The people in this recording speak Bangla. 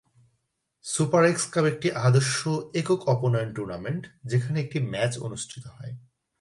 সুপার এক্স কাপ একটি আদর্শ একক-অপনয়ন টুর্নামেন্ট যেখানে একটি ম্যাচ অনুষ্ঠিত হয়।